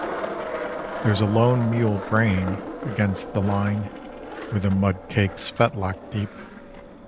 _ There's a lone mule braying against the line where the mud cakes fetlock deep!